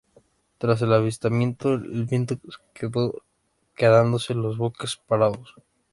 Tras el avistamiento, el viento cesó, quedándose los buques parados.